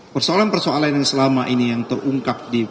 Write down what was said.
persoalan persoalan yang selama ini yang terungkap